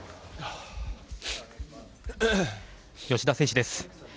吉田選手です。